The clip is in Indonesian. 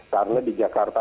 karena di jakarta